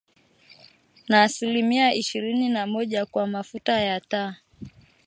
Na asilimia ishirini na moja kwa mafuta ya taa